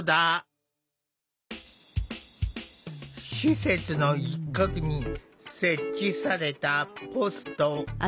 施設の一角に設置されたポスト。